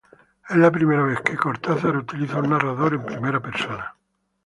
Es la primera vez que Cortázar utiliza un narrador en primera persona.